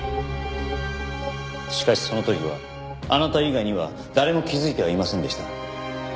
しかしその時はあなた以外には誰も気づいてはいませんでした。